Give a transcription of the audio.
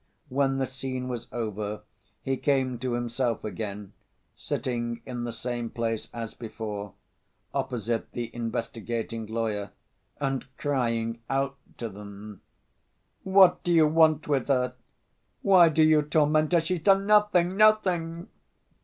When the scene was over, he came to himself again, sitting in the same place as before, opposite the investigating lawyer, and crying out to them: "What do you want with her? Why do you torment her? She's done nothing, nothing!..."